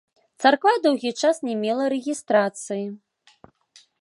Царква доўгі час не мела рэгістрацыі.